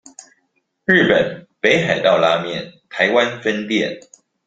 日本北海道拉麵台灣分店